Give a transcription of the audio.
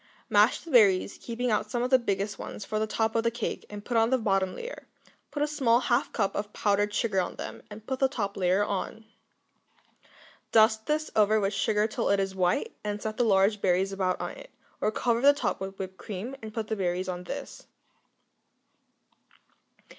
Mash the berries, keeping out some of the biggest ones for the top of the cake, and put on the bottom layer; put a small half cup of powdered sugar on them, and put the top layer on. Dust this over with sugar till it is white, and set the large berries about on it, or cover the top with whipped cream and put the berries on this.